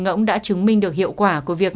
ngỗng đã chứng minh được hiệu quả của việc